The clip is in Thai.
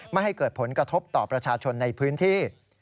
ไม่ให้เกิดผลกระทบต่อประชาชนในพื้นที่